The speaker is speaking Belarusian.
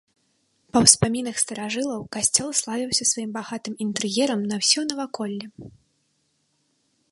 Па ўспамінах старажылаў, касцёл славіўся сваім багатым інтэр'ерам на ўсё наваколле.